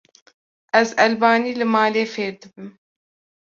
Ez elbanî li malê fêr dibim.